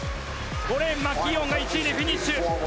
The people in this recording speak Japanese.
５レーン、マキーオンが１位でフィニッシュ。